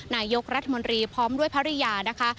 นายกรัฐมนตรีพร้อมด้วยภรรยานะคะ